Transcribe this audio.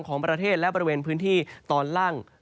ก็จะมีการแผ่ลงมาแตะบ้างนะครับ